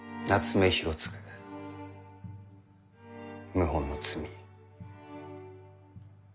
謀反の罪。